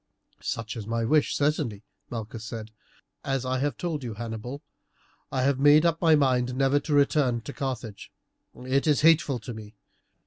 "Such is my wish, certainly," Malchus said. "As I have told you, Hannibal, I have made up my mind never to return to Carthage. It is hateful to me.